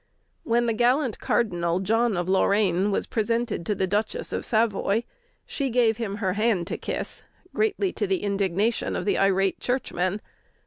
When the gallant Cardinal, John of Lorraine, was presented to the Duchess of Savoy, she gave him her hand to kiss, greatly to the indignation of the irate churchman.